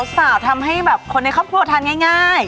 สาวทำให้แบบคนในครอบครัวทานง่าย